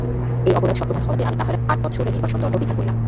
এই অপরাধ সপ্রমাণ হওয়াতে আমি তাঁহার আট বৎসর নির্বাসনদণ্ড বিধান করিলাম।